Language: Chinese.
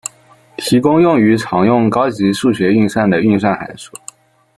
提供用于常用高级数学运算的运算函数。